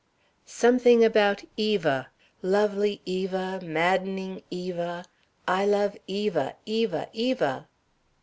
"Something about Eva. 'Lovely Eva, maddening Eva! I love Eva! Eva! Eva!'"